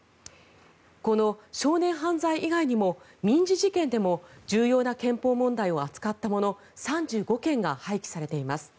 この少年犯罪以外にも民事事件でも重要な憲法問題を扱ったもの３５件が廃棄されています。